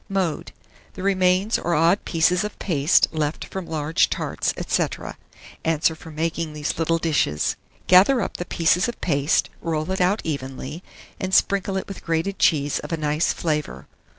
Mode. The remains or odd pieces of paste left from large tarts, &c. answer for making these little dishes. Gather up the pieces of paste, roll it out evenly, and sprinkle it with grated cheese of a nice flavour.